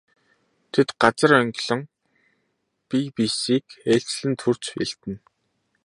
Тэд газар онгилон бие биесийг ээлжлэн түрж элдэнэ.